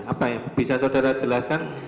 apa ya bisa saudara jelaskan